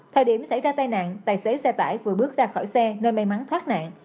thời điểm xảy ra tai nạn tài xế xe tải vừa bước ra khỏi xe nơi may mắn thoát nạn